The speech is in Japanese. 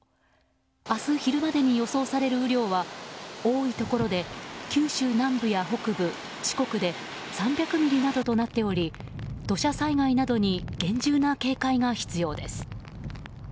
明日昼までに予想される雨量は多いところで九州南部や北部、四国で３００ミリなどとなっており土砂災害などに厳重な警戒が必要です。